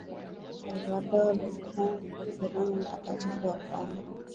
Salvador do Congo kwa Kireno Mtakatifu wa Kongo